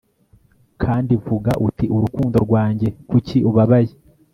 kandi vuga uti, urukundo rwanjye, kuki ubabaye